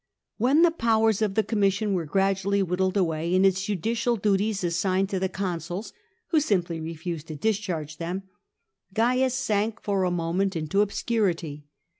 When the powers of the Commission were gradually whittled away, and its judicial duties assigned to the consuls (who simply refused to discharge them), Cains sank for a moment into obscurity.